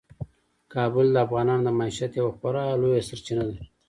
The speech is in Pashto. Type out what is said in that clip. کابل د افغانانو د معیشت یوه خورا لویه سرچینه ده.